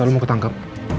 elsa lo mau ketangkep